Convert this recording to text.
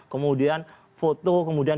kemudian foto kemudian